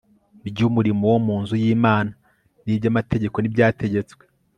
by'umurimo wo mu nzu y'imana n'iby'amategeko n'ibyategetswe